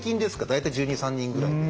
大体１２１３人ぐらい。